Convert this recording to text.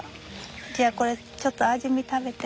じゃあこれちょっと味見食べて。